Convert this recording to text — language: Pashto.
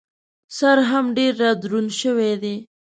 سر هم ډېر را دروند شوی دی.